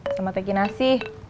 sama teki nasi